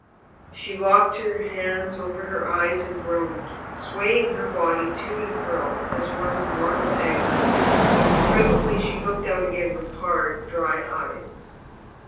She locked her hands over her eyes and groaned, swaying her body to and fro as one in mortal agony. Presently she looked out again with hard, dry eyes.